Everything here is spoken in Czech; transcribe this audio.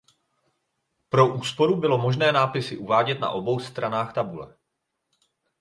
Pro úsporu bylo možné nápisy uvádět na obou stranách tabule.